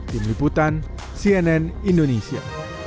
tim liputan cnn indonesia